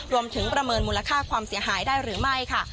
ประเมินมูลค่าความเสียหายได้หรือไม่ค่ะ